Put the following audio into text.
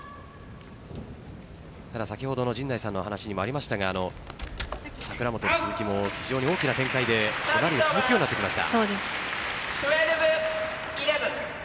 ただ、陣内さんのお話にもありましたが櫻本・鈴木も非常に大きな展開でラリーが続くようになってきました。